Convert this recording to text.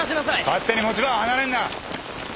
勝手に持ち場を離れるな。